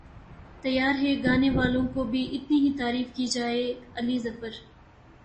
تیار ہیں گانے والوں کی بھی اتنی ہی تعریف کی جائے علی ظفر